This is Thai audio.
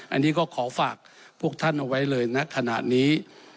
อันนี้ก็ขอฝากพวกท่านเอาไว้เลยณขณะนี้